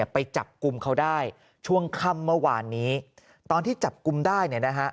ไปจับกลุ่มเขาได้ช่วงค่ำเมื่อวานนี้ตอนที่จับกลุ่มได้เนี่ยนะฮะ